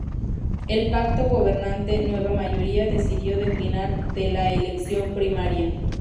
El pacto gobernante Nueva Mayoría decidió declinar de la elección primaria.